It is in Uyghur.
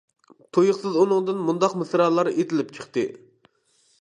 تۇيۇقسىز ئۇنىڭدىن مۇنداق مىسرالار ئېتىلىپ چىقتى.